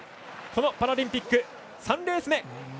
このパラリンピック３レース目。